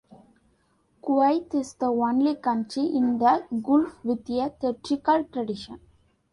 Kuwait is the only country in the Gulf with a theatrical tradition.